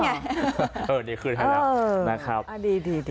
เออดีขึ้นครับนะครับ